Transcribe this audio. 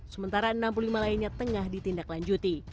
sementara enam puluh lima lainnya tengah ditindaklanjuti